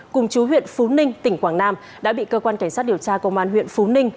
cùng chú huyện phú ninh tỉnh quảng nam đã bị cơ quan cảnh sát điều tra công an huyện phú ninh